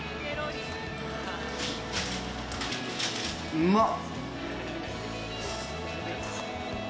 うまっ！